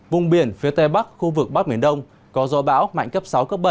vùng biển phía tây bắc khu vực bắc miền đông có gió bão mạnh cấp sáu bảy